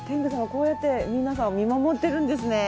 こうやって皆さんを見守っているんですね。